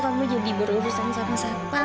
kamu jadi berurusan sama siapa